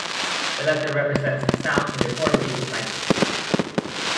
The letter represents the sound in the Portuguese language.